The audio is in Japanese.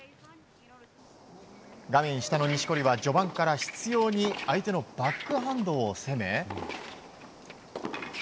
画面下の錦織は序盤から執拗に相手のバックハンドを攻め。